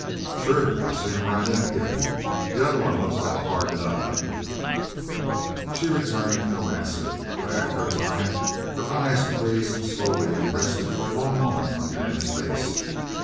"Sure. I seen them ride in together. That other one looks like a hard nut, eh?" She returned no answer, but after a time her eyes raised slowly and rested for a long moment on Dan's face.